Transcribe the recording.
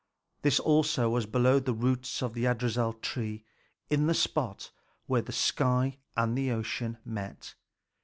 This also was below the roots of Yggdrasil, in the spot where the sky and ocean met.